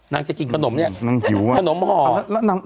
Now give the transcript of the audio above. นางจะกินขนมเนี่ยขนมห่อ